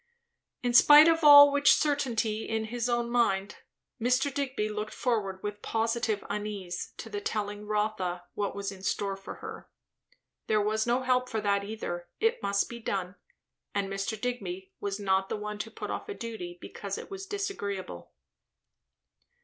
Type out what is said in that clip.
In spite of all which certainty in his own mind, Mr. Digby looked forward with positive uneasiness to the telling Rotha what was in store for her. There was no help for that either; it must be done; and Mr. Digby was not one to put off a duty because it was disagreeable.